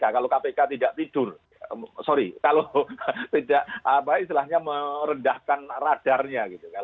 kalau kpk tidak tidur sorry kalau tidak apa istilahnya merendahkan radarnya gitu kan